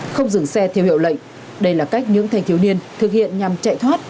không dừng xe theo hiệu lệnh đây là cách những thanh thiếu niên thực hiện nhằm chạy thoát